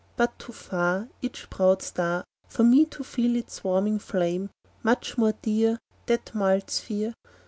But too far Each proud star, For me to feel its warming flame; Much more dear That mild sphere.